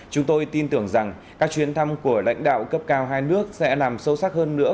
chúng tôi tin tưởng rằng các chuyến thăm của lãnh đạo cấp cao hai nước sẽ làm sâu sắc hơn nữa